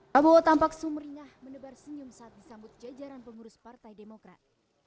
prabowo tampak sumeringah menebar senyum saat disambut jajaran pengurus partai demokrat